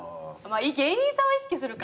芸人さんは意識するか。